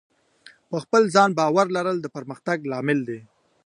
په خپل ځان باور لرل د پرمختګ لامل دی.